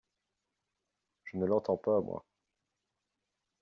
Je ne l’entends pas, moi.